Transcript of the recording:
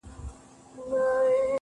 تك سپين زړگي ته دي پوښ تور جوړ كړی.